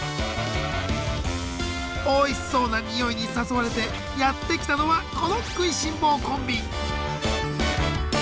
おいしそうな匂いに誘われてやって来たのはこの食いしん坊コンビ！